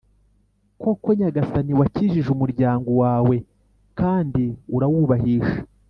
Koko, Nyagasani, wakijije umuryango wawe kandi urawubahisha;